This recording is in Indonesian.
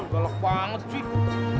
galak banget sih